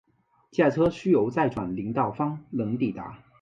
驾车需由再转林道方能抵达。